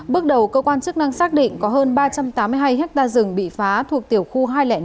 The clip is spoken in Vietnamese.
bước đầu cơ quan chức năng xác định có hơn ba trăm tám mươi hai ha rừng bị phá thuộc tiểu khu hai trăm linh năm